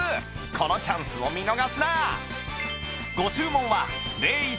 このチャンスを見逃すな！